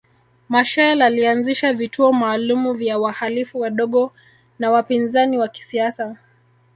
Machel alianzisha vituo maalumu vya wahalifu wadogo na wapinzani wa kisiasa